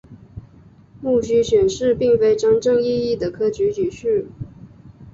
戊戌选试并非真正意义的科举取士。